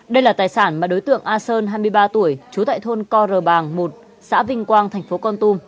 đây là tài sản mà đối tượng a sơn hai mươi ba tuổi trú tại thôn co rờ bàng một xã vinh quang thành phố con tum